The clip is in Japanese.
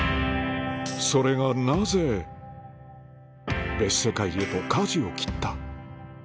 それがなぜ別世界へと舵を切った？